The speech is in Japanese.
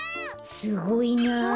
すごいなあ。